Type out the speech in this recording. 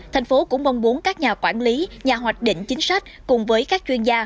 thành phố cũng mong muốn các nhà quản lý nhà hoạch định chính sách cùng với các chuyên gia